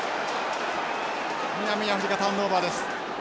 南アフリカターンオーバーです。